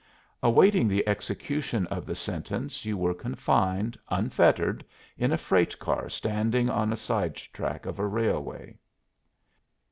Awaiting the execution of the sentence you were confined, unfettered, in a freight car standing on a side track of a railway."